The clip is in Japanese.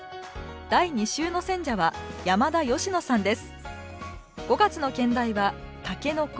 第２週の選者は山田佳乃さんです。